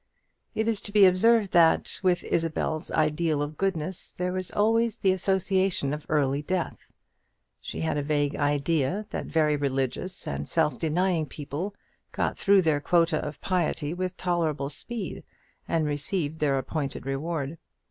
It is to be observed that, with Isabel's ideal of goodness there was always the association of early death. She had a vague idea that very religious and self denying people got through their quota of piety with tolerable speed, and received their appointed reward.